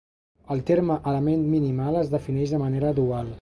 El terme element minimal es defineix de manera dual.